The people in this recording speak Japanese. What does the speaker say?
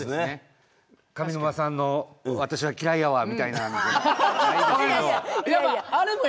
上沼さんの、「私は嫌いやわ」みたいな分かります。